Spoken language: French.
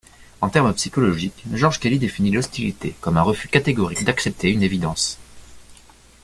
En terme psychologique, George Kelly définit l'hostilité comme un refus catégorique d'accepter une évidence.